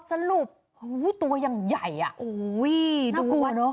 สรุปรู้ตัวยังใหญ่อ่ะน่ากลัวเนอะ